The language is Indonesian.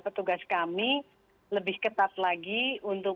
petugas kami lebih ketat lagi untuk